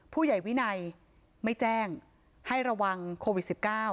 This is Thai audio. ผู้ใหญ่วินัยไม่แจ้งให้ระวังโควิด๑๙